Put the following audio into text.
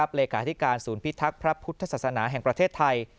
เลขาธิการศูนย์พิทักษ์พระพุทธศาสนาแห่งประเทศไทย